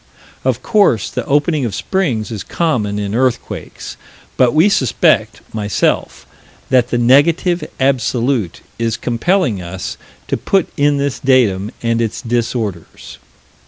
Of course the opening of springs is common in earthquakes but we suspect, myself, that the Negative Absolute is compelling us to put in this datum and its disorders.